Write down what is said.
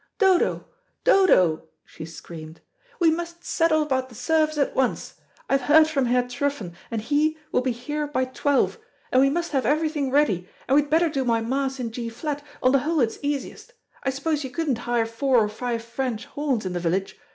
"Dodo, Dodo," she screamed, "we must settle about the service at once. I have heard from Herr Truffen, and he, will be here by twelve; and we must have everything ready, and we'd better do my Mass in G flat; on the whole it's the easiest. I suppose you couldn't hire four or five French horns in the village.